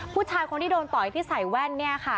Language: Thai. ผู้ชายคนที่โดนต่อยที่ใส่แว่นเนี่ยค่ะ